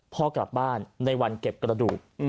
พ่อกลับบ้านในวันเก็บกระดูก